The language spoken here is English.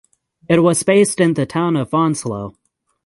It was based in the town of Onslow.